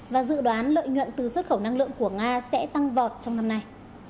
và dự đoán lợi nhuận từ xuất khẩu năng lượng của nga sẽ tăng vọt trong năm nay